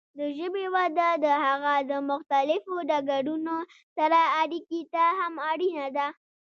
د ژبې وده د هغه د مختلفو ډګرونو سره اړیکې ته هم اړینه ده.